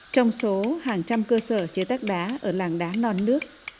trong số hàng trăm cơ sở chế tác đá ở làng đá non nước